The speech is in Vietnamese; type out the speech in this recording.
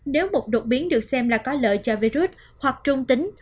nếu một đột biến được xem là có lợi cho virus hoặc trung tính